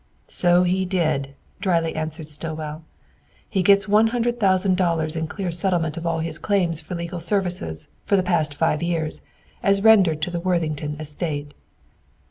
"So he did," drily answered Stillwell. "He gets one hundred thousand dollars in clear settlement of all his claims for legal services for the past five years, as rendered to the Worthington Estate."